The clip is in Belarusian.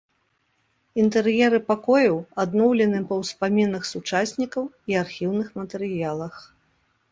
Інтэр'еры пакояў адноўлены па ўспамінах сучаснікаў і архіўных матэрыялах.